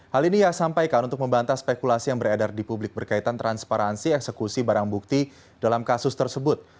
hal ini ia sampaikan untuk membantah spekulasi yang beredar di publik berkaitan transparansi eksekusi barang bukti dalam kasus tersebut